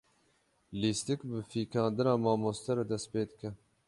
Lîstik bi fîkandina mamoste re dest pê dike.